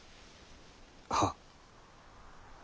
はっ。